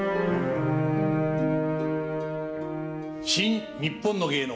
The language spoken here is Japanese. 「新・にっぽんの芸能」。